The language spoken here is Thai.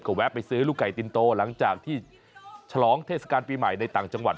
แวะไปซื้อลูกไก่ตินโตหลังจากที่ฉลองเทศกาลปีใหม่ในต่างจังหวัด